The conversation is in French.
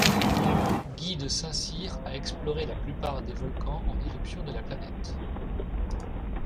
Guy de Saint-Cyr a exploré la plupart des volcans en éruption de la planète.